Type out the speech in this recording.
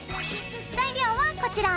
材料はこちら。